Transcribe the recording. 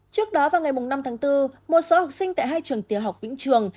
trước đó vào ngày năm tháng bốn một số học sinh tại hai trường tiểu học vĩnh trường